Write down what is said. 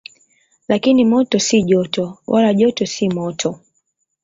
Lakini moto si joto, wala joto si moto.